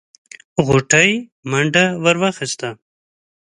غوټۍ منډه ور واخيسته.